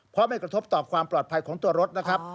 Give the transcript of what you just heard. เพราะไม่กระทบต่อความปลอดภัยของตัวรถนะครับ